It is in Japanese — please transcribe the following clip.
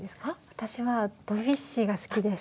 私はドビュッシーが好きです。